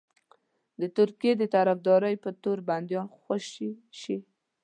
د ترکیې د طرفدارۍ په تور بنديان خوشي شي.